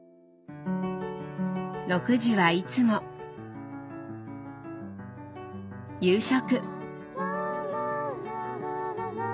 ６時はいつも夕食。